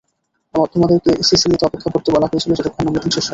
তোমাদেরকে সিসিলিতে অপেক্ষা করতে বলা হয়েছিল যতক্ষণ না মিটিং শেষ হবে।